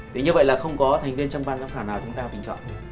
thì như vậy là không có thành viên trong ban giám khảo nào chúng ta bình chọn